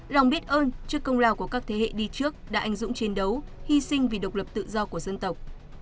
lòng biết ơn trước công lao của các thế hệ đi trước đã ảnh dũng chiến đấu hy sinh vì độc lập tự do của dân tộc